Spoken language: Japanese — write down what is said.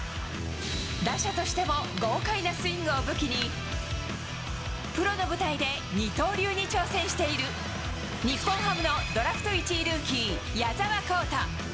打者としても豪快なスイングを武器に、プロの舞台で二刀流に挑戦している、日本ハムのドラフト１位ルーキー、矢澤宏太。